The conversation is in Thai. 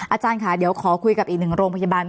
อาจารย์ค่ะเดี๋ยวขอคุยกับอีกหนึ่งโรงพยาบาล